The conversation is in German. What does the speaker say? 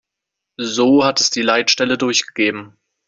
So hat es die Leitstelle durchgegeben.